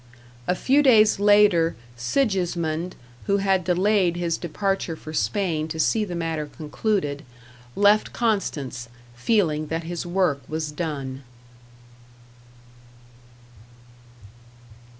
A few days later Sigismund, who had delayed his departure for Spain to see the matter concluded, left Constance, feeling that his work was done.